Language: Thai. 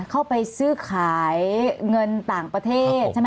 เข้าไปซื้อขายเงินต่างประเทศใช่ไหม